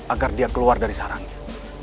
agar dia keluar dari sarangnya